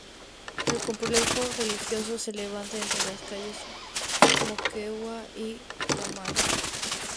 El complejo religioso se levanta entre las calles Moquegua y Camaná.